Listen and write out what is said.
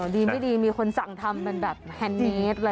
ดีไม่ดีมีคนสั่งทำเป็นแบบแฮนดเนสไว้